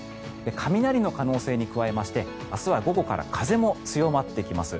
雷の可能性に加えまして明日は午後から風も強まってきます。